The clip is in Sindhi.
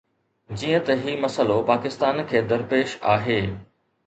جيئن ته هي مسئلو پاڪستان کي درپيش آهي.